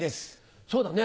そうだね。